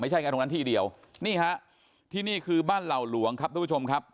ไม่ใช่แค่ตรงนั้นที่เดียวนี่ฮะที่นี่คือบ้านเหล่าหลวงครับทุกผู้ชมครับ